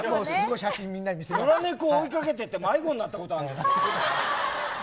野良猫を追い掛けて迷子になったことがある。